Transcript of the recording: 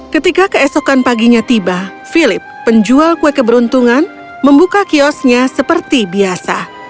ketika keesokan paginya tiba philip penjual kue keberuntungan membuka kiosnya seperti biasa